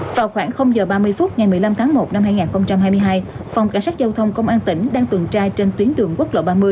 vào khoảng h ba mươi phút ngày một mươi năm tháng một năm hai nghìn hai mươi hai phòng cảnh sát giao thông công an tỉnh đang tuần tra trên tuyến đường quốc lộ ba mươi